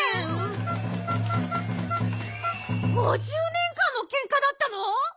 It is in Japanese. ５０年かんのけんかだったの？